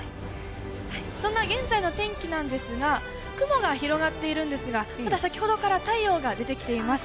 そんな現在の天気なんですが、雲が広がっているんですが、ただ先ほどから太陽が出てきています。